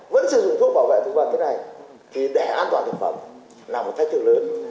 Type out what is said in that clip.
vẫn sử dụng thuốc bảo vệ thuốc bảo vệ thế này thì để an toàn thực phẩm là một thách thức lớn